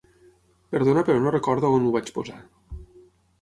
Perdona però no recordo on ho vaig posar.